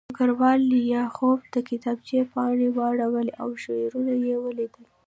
ډګروال لیاخوف د کتابچې پاڼې واړولې او شعرونه یې ولیدل